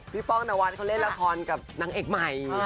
ป้องนวัดเขาเล่นละครกับนางเอกใหม่